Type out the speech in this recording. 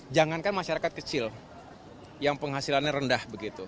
jangankan masyarakat kecil yang penghasilannya rendah begitu